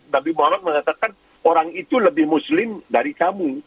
nabi muhammad mengatakan orang itu lebih muslim dari kamu